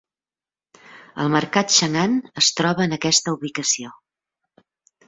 El mercat Chang'an es troba en aquesta ubicació.